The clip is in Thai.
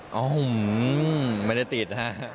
อ๋อหหหมมไม่ได้ติดนะ